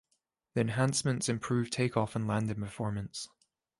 The enhancements improve takeoff and landing performance.